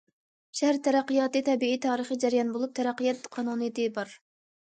شەھەر تەرەققىياتى تەبىئىي تارىخىي جەريان بولۇپ، تەرەققىيات قانۇنىيىتى بار.